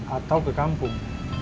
atau ke kampung